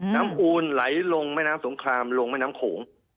ปูนไหลลงแม่น้ำสงครามลงแม่น้ำโขง